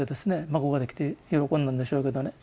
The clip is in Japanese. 孫ができて喜んだんでしょうけどね。